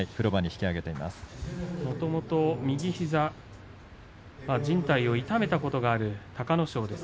もともと右膝のじん帯を痛めたことがある隆の勝です。